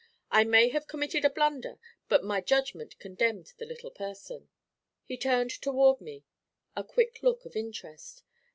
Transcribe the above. I may have committed a blunder, but my judgment condemned the little person.' He turned toward me a quick look of interest.